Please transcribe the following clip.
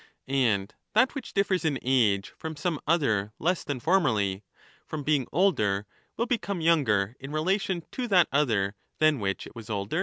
And that which differs in age from some other less than wiUbysuch formerly, from being older will become younger in relation become to that other than which it was older